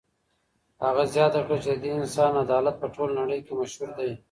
هغه زیاته کړه چې د دې انسان عدالت په ټوله نړۍ کې مشهور دی.